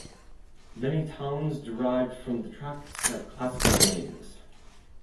Many towns derived from the tracts have classical names.